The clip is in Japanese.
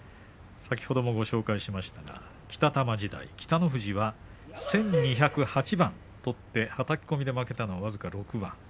先ほどもご紹介しましたが北玉時代北の富士は１２０８番取ってはたき込みで負けたのは僅かに６番。